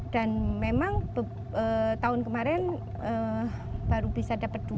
dan memang tahun kemarin baru bisa dapat dua